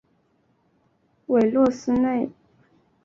韦洛斯内。